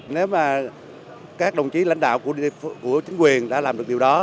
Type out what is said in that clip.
nếu mà các đồng chí lãnh đạo của chính quyền đã làm được điều đó